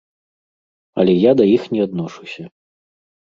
Але я да іх не адношуся.